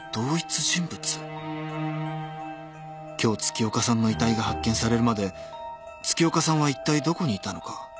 ［今日月岡さんの遺体が発見されるまで月岡さんはいったいどこにいたのか？］